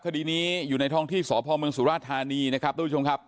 คดีนี้อยู่ในท้องที่สพเมืองสุราธานีนะครับทุกผู้ชมครับ